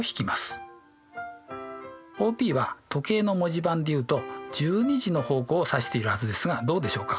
ＯＰは時計の文字盤で言うと１２時の方向を指しているはずですがどうでしょうか？